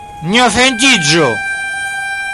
Ne ofendiĝu!